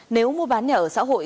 nếu mua bán nhà ở xã hội